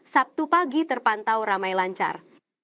sabtu pagi terpantau ramai lancar